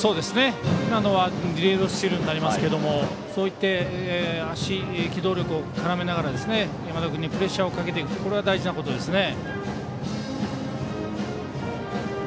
今のはディレードスチールになりますがそうやって、足機動力を絡めながら山田君にプレッシャーをかけていくのが大事なことですね。